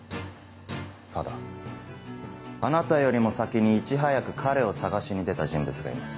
ただあなたよりも先にいち早く彼を捜しに出た人物がいます。